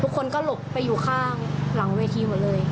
ทุกคนก็หลบไปอยู่ข้างหลังเวทีหมดเลย